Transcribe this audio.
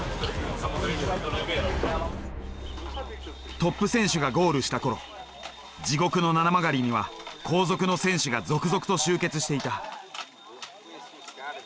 トップ選手がゴールした頃地獄の七曲がりには後続の選手が続々と集結していた。